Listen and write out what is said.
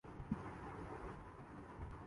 گھنٹی بجانا تھوڑا سا جنون بن جاتا ہے